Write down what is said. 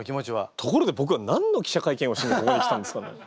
ところで僕は何の記者会見をしにここに来たんですかね？